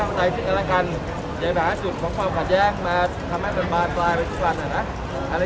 วันนี้ขอให้ทุกคนช่วยกันชีวิตจะช่วยเรามั้ย